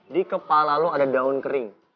di kepala lo ada daun kering